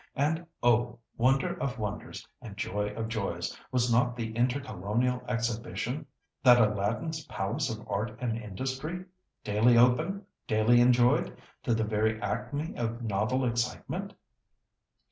And, oh! wonder of wonders, and joy of joys, was not the Intercolonial Exhibition, that Aladdin's Palace of Art and Industry, daily open, daily enjoyed to the very acme of novel excitement?